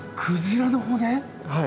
はい。